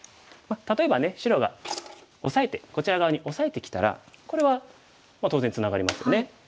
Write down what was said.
例えばね白がオサえてこちら側にオサえてきたらこれはまあ当然ツナがりますよね。